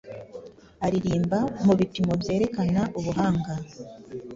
Aririmba mubipimo byerekana ubuhanga